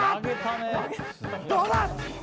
どうだ！